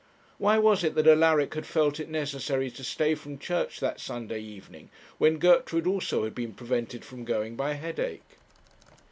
Why was it that Alaric had felt it necessary to stay from church that Sunday evening when Gertrude also had been prevented from going by a headache?